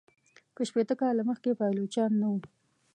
که شپیته کاله مخکي پایلوچان نه وه.